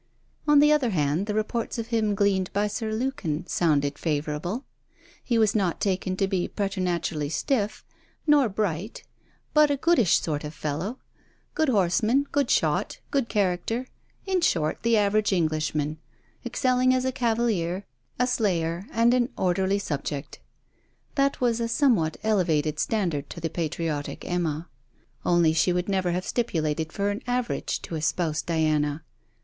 On the other hand, the reports of him gleaned by Sir Lukin sounded favourable. He was not taken to be preternaturally stiff, nor bright, but a goodish sort of fellow; good horseman, good shot, good character. In short, the average Englishman, excelling as a cavalier, a slayer, and an orderly subject. That was a somewhat elevated standard to the patriotic Emma. Only she would never have stipulated for an average to espouse Diana.